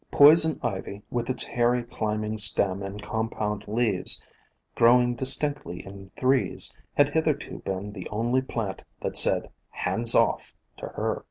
Poison Ivy, with its hairy climbing stem and compound leaves, growing dis POISONOUS PLANTS 159 tinctly in threes, had hitherto been the only plant that said "Hands off!" to her.